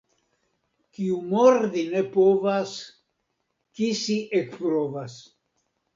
Kiu mordi ne povas, kisi ekprovas.